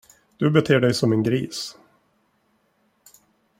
Du beter dig som en gris.